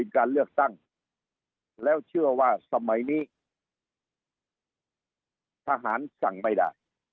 การเลือกตั้งแล้วเชื่อว่าสมัยนี้ทหารสั่งไม่ได้